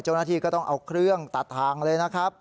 เจ้าหน้าที่ก็ต้องเอาเครื่องตัดทางเลยนะครับ